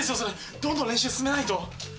どんどん練習進めないと。